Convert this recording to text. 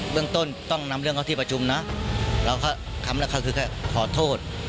เรื่องต้นต้องนำเรื่องเข้าที่ประชุมนะเราก็คำแรกก็คือแค่ขอโทษ